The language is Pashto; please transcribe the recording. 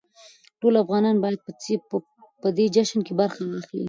ټول افغانان بايد په دې جشن کې برخه واخلي.